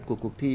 của cuộc thi